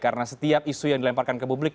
karena setiap isu yang dilemparkan ke publik